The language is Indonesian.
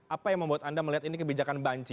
apa yang membuat anda melihat ini kebijakan banci